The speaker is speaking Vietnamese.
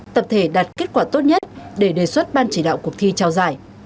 tập thể đạt kết quả tốt nhất để đề xuất ban chỉ đạo cuộc thi trao giải